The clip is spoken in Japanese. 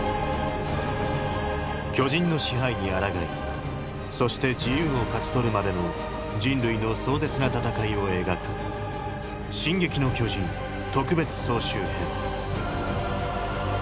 巨人の支配に抗いそして自由を勝ち取るまでの人類の壮絶な戦いを描く「進撃の巨人特別総集編」